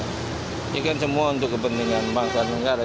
ini kan semua untuk kepentingan bangsa dan negara